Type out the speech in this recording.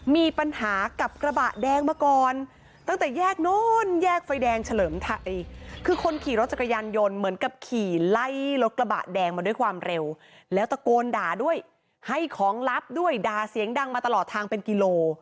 มีปัญหากับกระบะแดงมาก่อนตั้งแต่แยกโน้นแยกไฟแดงเฉลิมไทยคือคนขี่รถจักรยานยนต์เหมือนกับขี่ไล่รถกระบะแดงมาด้วยความเร็วแล้วตะโกนด่าด้วยให้ของลับด้วยด่าเสียงดังมาตลอดทางเป็นกิโล